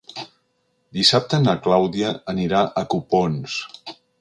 Dissabte na Clàudia anirà a Copons.